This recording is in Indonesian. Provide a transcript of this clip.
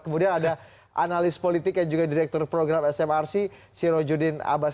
kemudian ada analis politik yang juga direktur program smrc siro judin abas